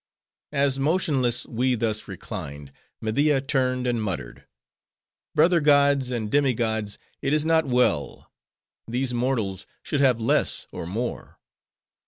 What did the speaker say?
As motionless we thus reclined, Media turned and muttered:—"Brother gods, and demi gods, it is not well. These mortals should have less or more.